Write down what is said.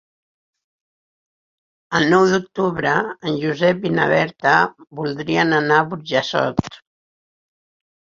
El nou d'octubre en Josep i na Berta voldrien anar a Burjassot.